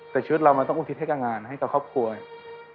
แต่ชีวิตเรามันต้องอุทิศให้กับงานให้กับครอบครัวอย่างนี้